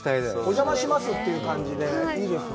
お邪魔しますという感じでいいですね。